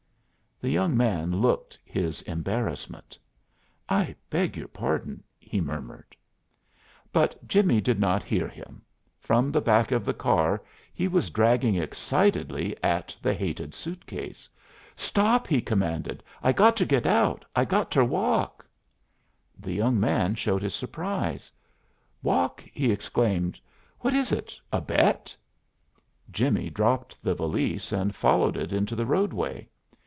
The young man looked his embarrassment. "I beg your pardon," he murmured. But Jimmie did not hear him. From the back of the car he was dragging excitedly at the hated suitcase. "Stop!" he commanded. "I got ter get out. I got ter walk." The young man showed his surprise. "Walk!" he exclaimed. "What is it a bet?" Jimmie dropped the valise and followed it into the roadway.